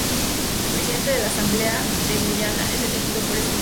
El presidente de la Asamblea de Guayana es elegido por este último.